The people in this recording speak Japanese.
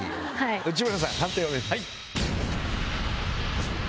内村さん判定お願いします。